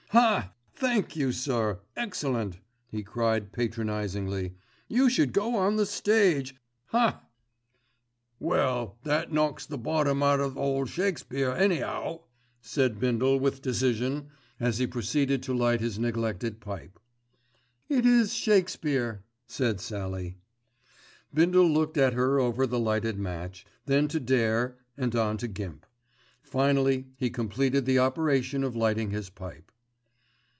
"Haaa! thank you, sir, excellent," he cried patronisingly. "You should go on the stage, haaa!" "Well that knocks the bottom out of ole Shakespeare any'ow," said Bindle with decision, as he proceeded to light his neglected pipe. "It is Shakespeare," said Sallie. Bindle looked at her over the lighted match, then to Dare and on to Gimp. Finally he completed the operation of lighting his pipe.